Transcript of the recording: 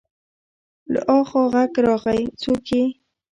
له اخوا غږ راغی: څوک يې؟